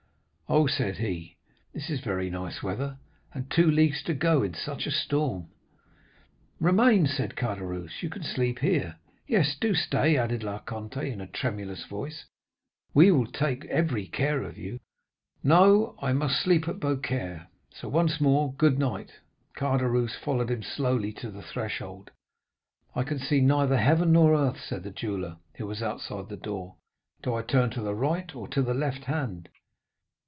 'Oh,' said he, 'this is very nice weather, and two leagues to go in such a storm.' "'Remain,' said Caderousse. 'You can sleep here.' "'Yes; do stay,' added La Carconte in a tremulous voice; 'we will take every care of you.' "'No; I must sleep at Beaucaire. So, once more, good night.' Caderousse followed him slowly to the threshold. 'I can see neither heaven nor earth,' said the jeweller, who was outside the door. 'Do I turn to the right, or to the left hand?